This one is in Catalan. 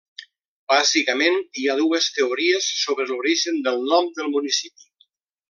Bàsicament hi ha dues teories sobre l'origen del nom del municipi.